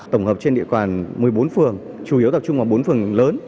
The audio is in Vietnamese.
tổng hợp trên địa bàn một mươi bốn phường chủ yếu tập trung vào bốn phường lớn